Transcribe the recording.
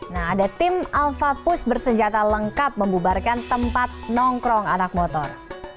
nah ada tim alva pus bersenjata lengkap membubarkan tempat nongkrong anak motor